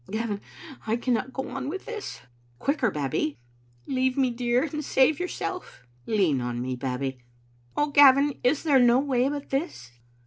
" "Gavin, I cannot go on with this." "Quicker, Babbie." "Leave me, dear, and save yourself." " Lean on me, Babbie. "" Oh, Gavin, is there no way but this?"